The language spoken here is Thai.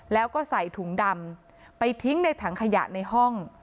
แล้วก็ใส่ถุงดำไปทิ้งในถังขยะในห้อง